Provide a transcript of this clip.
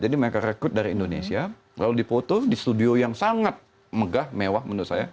mereka rekrut dari indonesia lalu dipoto di studio yang sangat megah mewah menurut saya